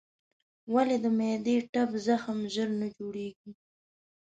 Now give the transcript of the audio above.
ولې د معدې ټپ زخم ژر نه جوړېږي؟